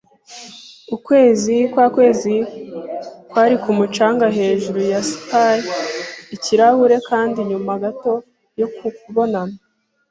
ukwezi kwakwezi kwari kumanuka hejuru ya Spy-ikirahure, kandi nyuma gato yo kubona